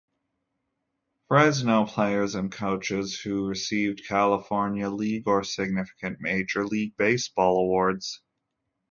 Fresno players and coaches who received California League or significant Major League Baseball awards.